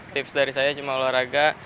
tips dari saya cuma olahraga